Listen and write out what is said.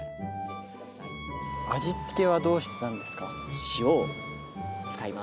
味付けはどうしてたんですか？